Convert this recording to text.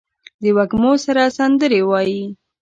د وږمو سره سندرې وايي